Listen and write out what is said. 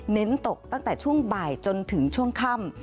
เน้นตกตั้งแต่ช่วงบ่ายจนถึงช่วงค่ำ